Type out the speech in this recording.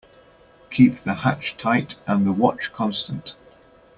Keep the hatch tight and the watch constant.